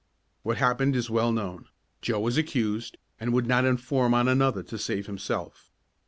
What happened is well known. Joe was accused, and would not inform on another to save himself.